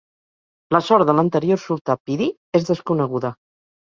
La sort de l'anterior sultà Piri és desconeguda.